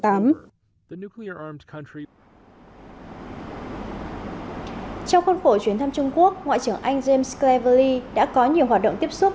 trong khuôn khổ chuyến thăm trung quốc ngoại trưởng anh james skley đã có nhiều hoạt động tiếp xúc